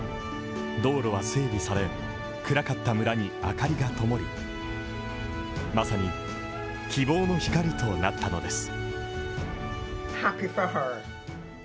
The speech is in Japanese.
道路は整備され、暗かった村に明かりがともり、まさに、希望の光となったのです。